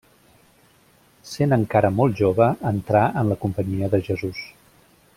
Sent encara molt jove entrà en la Companyia de Jesús.